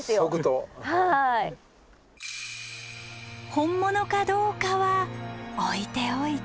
本物かどうかは置いておいて。